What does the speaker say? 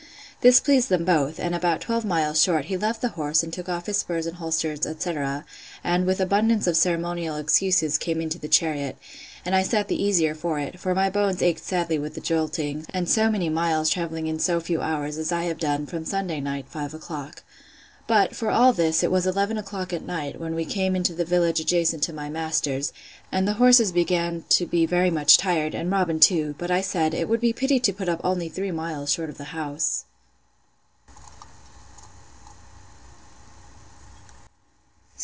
This pleased them both; and, about twelve miles short, he left the horse, and took off his spurs and holsters, etc. and, with abundance of ceremonial excuses, came into the chariot; and I sat the easier for it; for my bones ached sadly with the jolting, and so many miles travelling in so few hours, as I have done, from Sunday night, five o'clock. But, for all this, it was eleven o'clock at night, when we came to the village adjacent to my master's; and the horses began to be very much tired, and Robin too: but I said, It would be pity to put up only three miles short of the house.